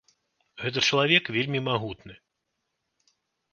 Гэта чалавек вельмі магутны.